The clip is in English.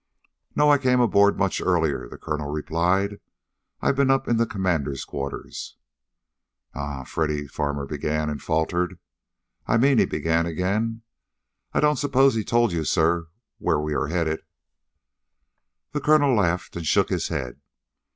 "No, I came aboard much earlier," the Colonel replied. "I've been up in the commander's quarters." "Er ..." Freddy Farmer began, and faltered. "I mean," he began again, "I don't suppose he told you, sir, where we are headed?" The colonel laughed and shook his head.